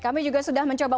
kami juga sudah mencoba